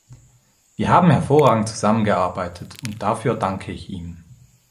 Wir haben hervorragend zusammengearbeitet, und dafür danke ich ihm.